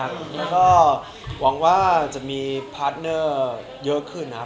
แล้วก็หวังว่าจะมีพาร์ทเนอร์เยอะขึ้นนะครับ